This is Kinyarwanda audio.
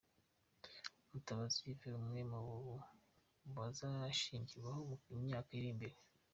Mutabazi Yves umwe mu bazashingirwaho mu myaka iri imbere .